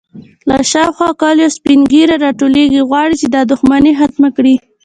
_له شاوخوا کليو سپين ږيرې راټولېږي، غواړي چې دا دښمنې ختمه کړي.